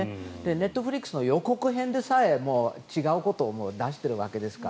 ネットフリックスの予告編でさえ違うことを出しているわけですから。